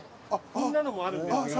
こんなのもあるんですけど。